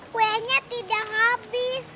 kuenya tidak habis